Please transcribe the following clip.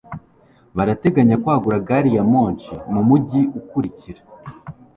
barateganya kwagura gari ya moshi mu mujyi ukurikira